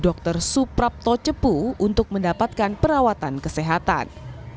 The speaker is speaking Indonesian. dr suprapto cepu untuk mendapatkan perawatan kesehatan